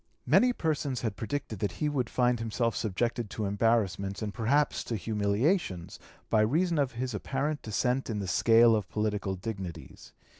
Many persons had predicted that he would find himself subjected to embarrassments and perhaps to humiliations by reason of his apparent descent in the scale of political dignities.